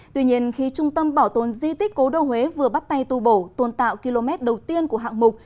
tuy nhiên khi trung tâm bảo tồn di tích cố đô huế vừa bắt tay tu bổ tôn tạo km đầu tiên của hạng mục